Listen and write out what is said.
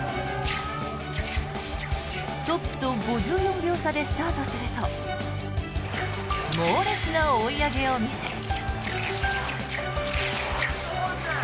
トップと５４秒差でスタートすると猛烈な追い上げを見せ。